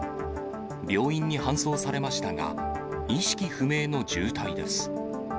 病院に搬送されましたが、意識不明の重体です。